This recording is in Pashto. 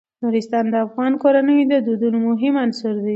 نورستان د افغان کورنیو د دودونو مهم عنصر دی.